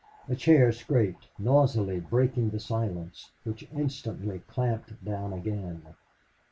A chair scraped, noisily breaking the silence, which instantly clamped down again.